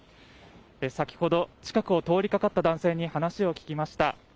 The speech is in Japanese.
先ほど、近くを通りかかった男性に話を聞きました。